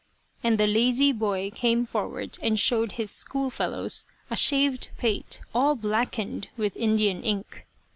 and the lazy boy came forward and showed his school fellows a shaved pate all blackened with Indian ink.